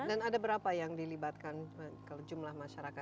dan ada berapa yang dilibatkan jumlah masyarakat